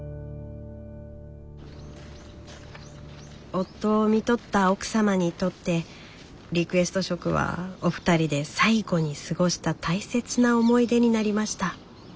夫をみとった奥様にとってリクエスト食はお二人で最後に過ごした大切な思い出になりました。